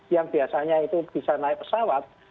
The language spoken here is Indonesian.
yang biasanya itu bisa naik pesawat